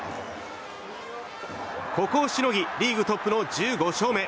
ここをしのぎリーグトップの１５勝目。